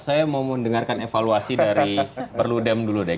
saya mau mendengarkan evaluasi dari perludem dulu deh